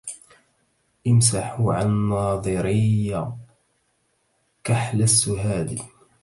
إمسحوا عن ناظري كحل السهاد